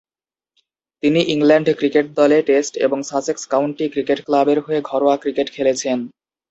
তিনি England cricket দলে test এবং সাসেক্স কাউন্টি ক্রিকেট ক্লাবের হয়ে ঘরোয়া ক্রিকেট খেলেছেন।